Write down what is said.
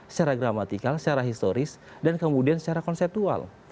secara gramatikal secara historis dan kemudian secara konseptual